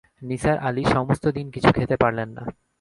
নিসার আলি সমস্ত দিন কিছু খেতে পারলেন না।